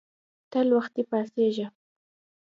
تل وختي پاڅیږه